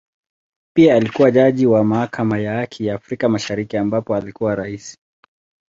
Pia alikua jaji wa Mahakama ya Haki ya Afrika Mashariki ambapo alikuwa Rais.